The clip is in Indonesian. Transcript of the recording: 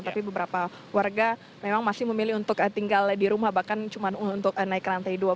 tapi beberapa warga memang masih memilih untuk tinggal di rumah bahkan cuma untuk naik ke lantai dua